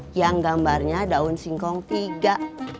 hai yang gambarnya daun singkong tiga